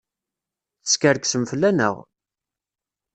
Teskerksem fell-aneɣ!